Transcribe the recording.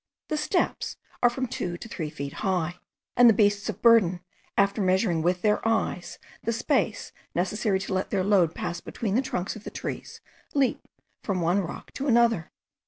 The steps are from two to three feet high, and the beasts of burden, after measuring with their eyes the space necessary to let their load pass between the trunks of the trees, leap from one rock to another.